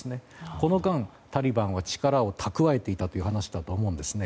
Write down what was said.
この間、タリバンは力を蓄えていたという話だと思うんです。